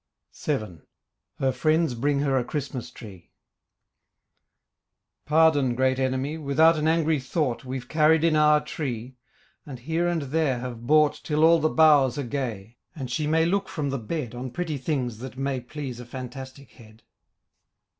VII HER FRIENDS BRING HER A CHRISTMAS TREE Pardon, great enemy, Without an angry thought We've carried in our tree, And here and there have bought Till all the boughs are gay, And she may look from the bed On pretty things that may Please a fantastic head.